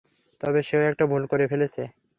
তবে সেও একটা ভুল করে ফেলেছে।